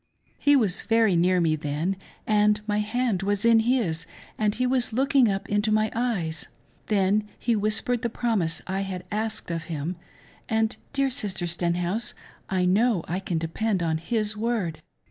.,... He was very near me then; and my hand was in his; and he was looking up into my eyes. Then he whispered the promise I had asked of hiln, and, dear Sister Stenhouse, I know I can depend upon his word.